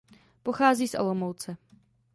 Pochází z Olomouce.